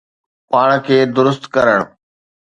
پاڻ کي درست ڪرڻ